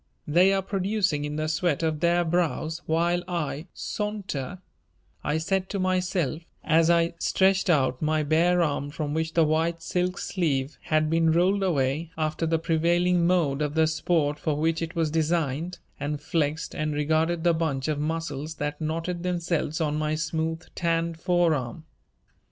"They are producing in the sweat of their brows while I saunter," I said to myself, as I stretched out my bare arm from which the white silk sleeve had been rolled away after the prevailing mode of the sport for which it was designed, and flexed and regarded the bunch of muscles that knotted themselves on my smooth, tanned forearm.